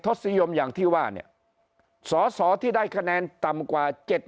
ทศนิยมอย่างที่ว่าเนี่ยสอสอที่ได้คะแนนต่ำกว่าเจ็ด